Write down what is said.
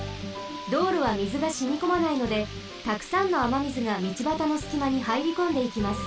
道路はみずがしみこまないのでたくさんのあまみずが道ばたのすきまにはいりこんでいきます。